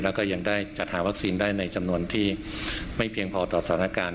แล้วก็ยังได้จัดหาวัคซีนได้ในจำนวนที่ไม่เพียงพอต่อสถานการณ์